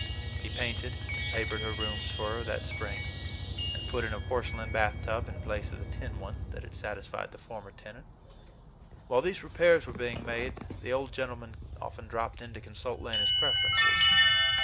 He painted and papered her rooms for her that spring, and put in a porcelain bathtub in place of the tin one that had satisfied the former tenant. While these repairs were being made, the old gentleman often dropped in to consult Lena's preferences.